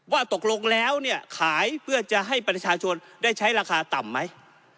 ว่าตกลงแล้วเนี่ยขายเพื่อจะให้ประชาชนได้ใช้ราคาต่ำไหม